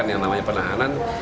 yang namanya penahanan